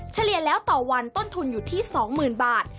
เฉลี่ยแล้วต่อวันต้นทุนอยู่ที่๒๐๐๐บาท